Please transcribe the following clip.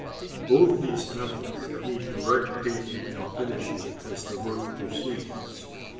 Both these methods need direct painting and finishing as the work proceeds.